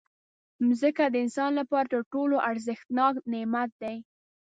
مځکه د انسان لپاره تر ټولو ارزښتناک نعمت دی.